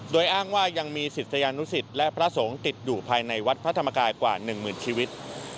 โดยอ้างว่ายังมีศิษยานุสิตและพระสงฆ์ติดอยู่ภายในวัดพระธรรมกายกว่า๑หมื่นชีวิต